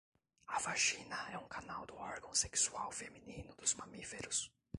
A vagina é um canal do órgão sexual feminino dos mamíferos